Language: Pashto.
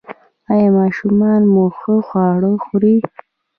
ایا ماشومان مو ښه خواړه خوري؟